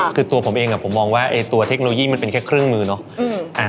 คือตัวผมเองผมมองว่าตัวเทคโนโลยีมันเป็นแค่เครื่องมือเนาะ